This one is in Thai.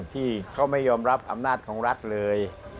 ที่เขาไม่ยอมรับอำนาจของรัฐเลย